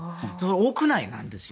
屋内なんですよ